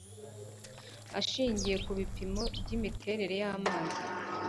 Ashingiye ku bipimo by imiterere y amazi